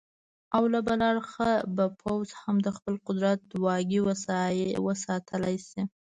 او له بله اړخه به پوځ هم خپل د قدرت واګې وساتلې شي.